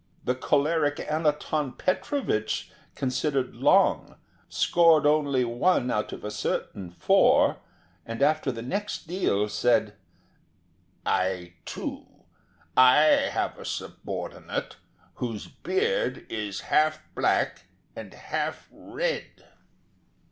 The choleric Anaton Petrovich considered long, scored only one out of a certain four, and after the next deal said: "I too—I have a subordinate, whose beard is half black and half red."